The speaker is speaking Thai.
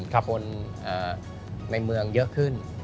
ขบวนในเมืองเยอะขึ้น